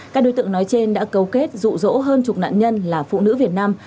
các đối tượng nói trên đã cầu kết dụ dỗ hơn chục nạn nhân là phụ nữ việt nam